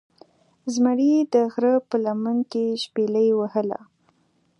زمرې دغره په لمن کې شپیلۍ وهله